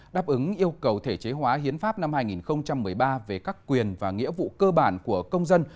đáp ứng yêu cầu thể chế hóa hiến pháp năm hai nghìn một mươi ba về các quyền và nghĩa vụ cơ bản của công dân